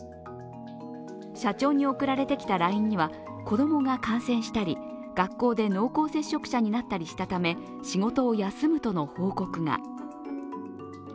社長に送られてきたＬＩＮＥには子供が感染したり学校で濃厚接触者になったりしたため仕事を休むとの報告が。